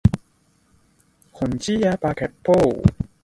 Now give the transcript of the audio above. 那時根本沒有多想